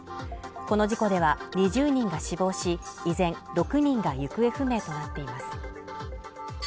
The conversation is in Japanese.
この事故では２０人が死亡し依然６人が行方不明となっています